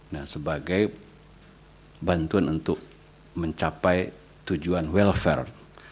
nah sebagai bantuan untuk mencapai tujuan welfare